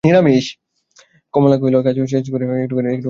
কমলা কহিল, কাজ শেষ করিয়া আমি একটুখানি বাগানে বেড়াইতেছিলাম।